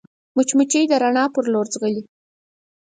مچمچۍ د رڼا پر لور ځغلي